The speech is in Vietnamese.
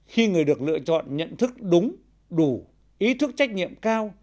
khi người được lựa chọn nhận thức đúng đủ ý thức trách nhiệm cao